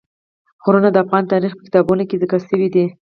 غرونه د افغان تاریخ په کتابونو کې ذکر شوی دي.